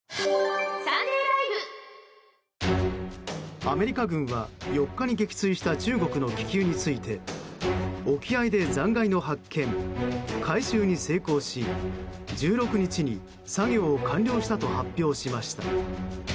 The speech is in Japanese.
アメリカ軍は４日に撃墜した中国の気球について沖合で残骸の発見・回収に成功し１６日に作業を完了したと発表しました。